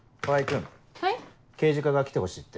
刑事課が来てほしいって。